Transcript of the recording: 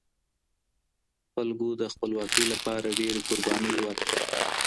خلګو د خپلواکۍ لپاره ډیرې قربانۍ ورکړې.